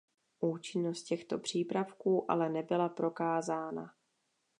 Účinnost těchto přípravků ale nebyla prokázána.